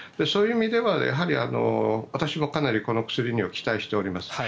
そういう意味では私もかなりこの薬には期待しています。